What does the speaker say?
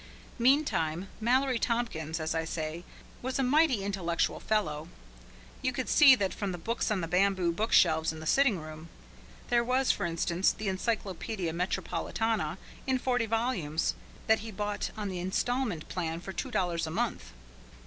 Meantime, Mallory Tompkins, as I say, was a mighty intellectual fellow. You could see that from the books on the bamboo bookshelves in the sitting room. There was, for instance, the "Encyclopaedia Metropolitana" in forty volumes, that he bought on the instalment plan for two dollars a month.